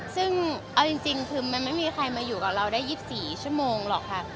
ซึ่งเอาจริงคือมันไม่มีใครมาอยู่กับเราได้๒๔ชั่วโมงหรอกค่ะ